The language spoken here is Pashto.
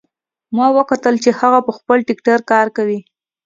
ما وکتل چې هغه په خپل ټکټر کار کوي